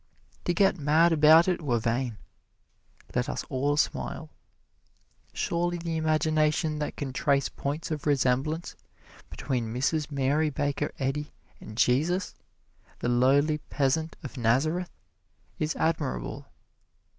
To get mad about it were vain let us all smile. Surely the imagination that can trace points of resemblance between Mrs. Mary Baker Eddy and Jesus, the lowly peasant of Nazareth, is admirable.